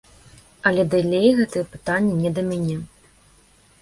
Але далей гэтае пытанне не да мяне.